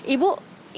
ibu apa kabar